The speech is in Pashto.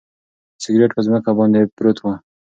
سګرټ په ځمکه باندې پروت و.